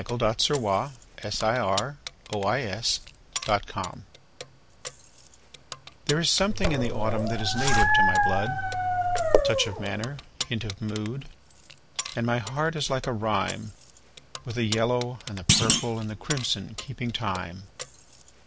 Bliss Carman A Vagabond Song THERE is something in the autumn that is native to my blood—Touch of manner, hint of mood; And my heart is like a rhyme, With the yellow and the purple and the crimson keeping time.